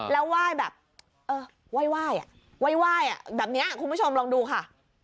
แล้วไหว้แบบเออไหว้แบบนี้คุณผู้ชมลองดูค่ะ